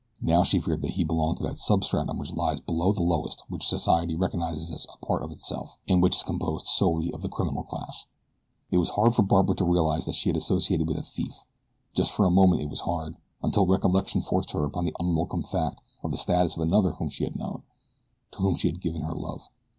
Now she feared that he belonged to that substratum which lies below the lowest which society recognizes as a part of itself, and which is composed solely of the criminal class. It was hard for Barbara to realize that she had associated with a thief just for a moment it was hard, until recollection forced upon her the unwelcome fact of the status of another whom she had known to whom she had given her love.